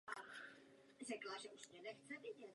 Většinu ostrova pokrývá tropický deštný les.